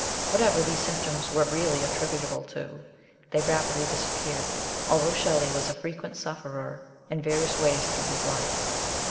Whatever these symptoms were really attributable to they rapidly disappeared, although Shelley was a frequent sufferer in various ways through his life.